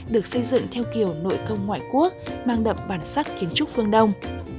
được xây dựng theo kiểu nội công ngoại quốc mang đậm bản sắc kiến trúc phương đông